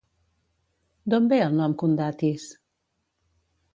D'on ve el nom Condatis?